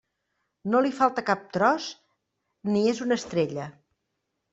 No li falta cap tros ni és una estrella.